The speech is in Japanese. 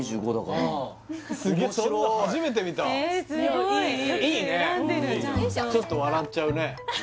これがちょっと笑っちゃうね